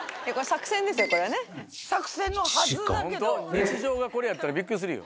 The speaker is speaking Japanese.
日常がこれやったらびっくりするよ。